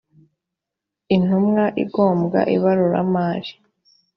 intumwa igomba ibaruramari